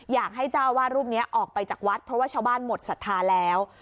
อยากให้เจ้าวาดรูปนี้ออกไปจากวัดเพราะว่าชาวบ้านหมดศรัทธาแล้ว